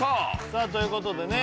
さあということでね